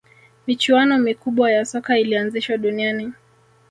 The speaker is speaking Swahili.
michuano mikubwa ya soka ilianzishwa duniani